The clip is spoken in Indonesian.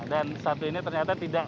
dan satu ini ternyata tidak